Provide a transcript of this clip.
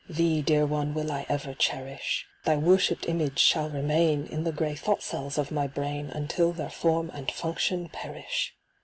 Thee, dear one, will I ever cherish ; Thy worshipped image shall remain In the grey thought cells of my brain Until their form and function perish.